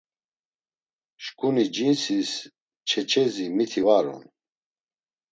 Şǩuni cinsis çeçezi miti var on.